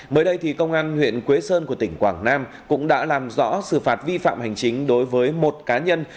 mới đây thì công an huyện quế sơn của tỉnh quảng nam cũng đã làm rõ xử phạt vi phạm hành chính đối với một cá nhân